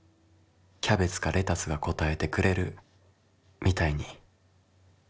キャベツかレタスが答えてくれるみたいに」。